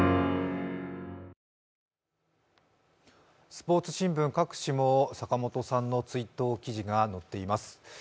スポーツ新聞各紙も坂本さんの追悼記事が載っています。